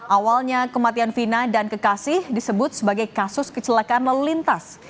awalnya kematian vina dan kekasih disebut sebagai kasus kecelakaan lalu lintas